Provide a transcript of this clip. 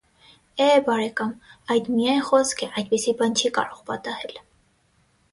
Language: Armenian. - Է՜, բարեկամ, այդ միայն խոսք է, այդպիսի բան չի կարող պատահել: